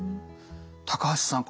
高橋さん